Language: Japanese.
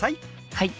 はい。